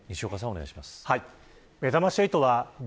お願いします。